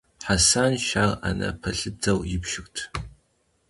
Хьэсанш ар анэ пэлъытэу ибжырт.